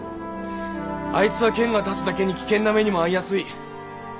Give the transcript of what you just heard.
あいつは剣が立つだけに危険な目にも遭いやすい。